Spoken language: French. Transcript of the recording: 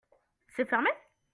C'est fermé ?